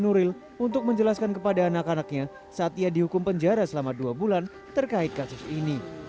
nuril untuk menjelaskan kepada anak anaknya saat ia dihukum penjara selama dua bulan terkait kasus ini